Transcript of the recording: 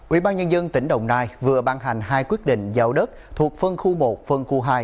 ubnd tỉnh đồng nai vừa ban hành hai quyết định giao đất thuộc phân khu một phân khu hai